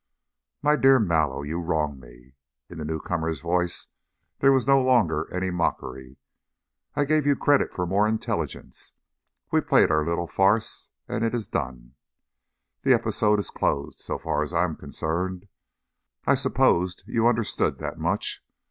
"My dear Mallow, you wrong me." In the newcomer's voice there was no longer any mockery. "I gave you credit for more intelligence. We played our little farce and it is done the episode is closed, so far as I am concerned. I supposed you understood that much.